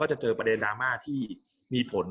กับการสตรีมเมอร์หรือการทำอะไรอย่างเงี้ย